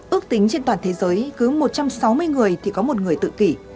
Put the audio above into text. ước tính trên toàn thế giới cứ một trăm sáu mươi người thì có một người tự kỷ